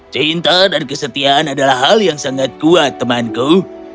cinta dan kesetiaan adalah hal yang sangat kuat temanku